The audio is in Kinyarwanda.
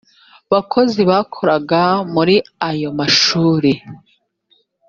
bakozi bakoraga muri ayo mashuri